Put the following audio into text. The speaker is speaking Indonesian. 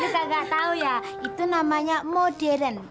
lu kagak tau ya itu namanya modern